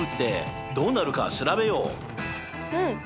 うん！